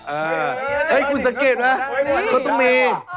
เอ๊ะเค้าอีกนึงเหมือนกันเหรอครับคุณสังเกตว่ะ